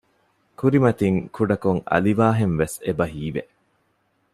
ކުރިމަތިން ކުޑަކޮށް އަލިވާހެންވެސް އެބަ ހީވެ